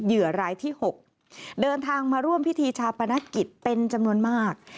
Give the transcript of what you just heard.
เหยื่อรายที่๖เดินทางมาร่วมพิธีชาปนกิจเป็นจำนวนมาก